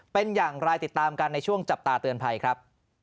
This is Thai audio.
เป็นอย่างไรติดตามกันในช่วงจับตาเตือนภัยครับ